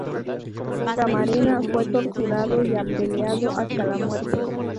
Camarena fue torturado y apaleado hasta la muerte.